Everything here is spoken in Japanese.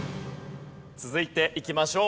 続いていきましょう。